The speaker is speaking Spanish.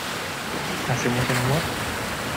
¿ hacemos el amor?